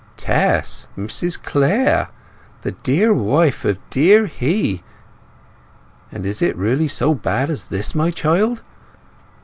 "Tess—Mrs Clare—the dear wife of dear he! And is it really so bad as this, my child?